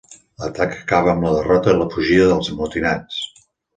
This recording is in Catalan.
L'atac acaba amb la derrota i fugida dels amotinats.